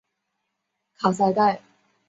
卡萨盖。